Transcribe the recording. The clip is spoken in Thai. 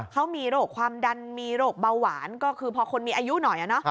เขามีโรคความดันมีโรคเบาหวานก็คือพอคนมีอายุหน่อย